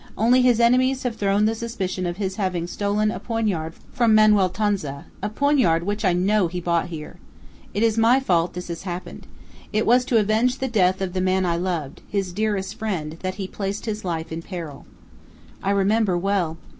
Only his enemies have thrown the suspicion of his having stolen a poignard from Manuel Tonza a poignard which I know he bought here. It is my fault this has happened. It was to avenge the death of the man I loved his dearest friend that he placed his life in peril!" "I remember well.